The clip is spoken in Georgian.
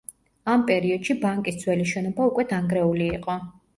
ამ პერიოდში ბანკის ძველი შენობა უკვე დანგრეული იყო.